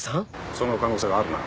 その可能性はあるな